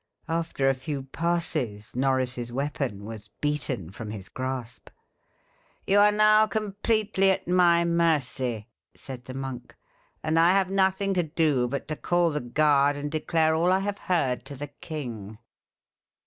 After a few passes, Norris's weapon was beaten from his grasp. "You are now completely at my mercy," said the monk, "and I have nothing to do but to call the guard, and declare all I have heard to the king."